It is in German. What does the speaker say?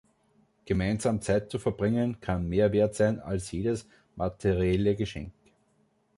Gemeinsam Zeit zu verbringen, kann mehr wert sein als jedes materielle Geschenk.